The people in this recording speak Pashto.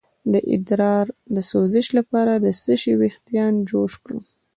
د ادرار د سوزش لپاره د څه شي ویښتان جوش کړم؟